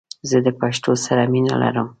زه د پښتو سره مینه لرم🇦🇫❤️